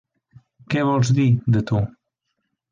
Què vols dir, de tu?